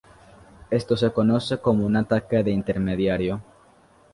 Esto se conoce como un Ataque de intermediario.